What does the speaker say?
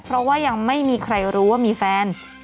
เพราะว่ายังไม่มีใครรู้ว่ามีแฟน